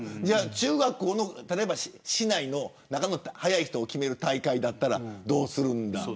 中学校の市内の速い人を決める大会だったらどうするのか。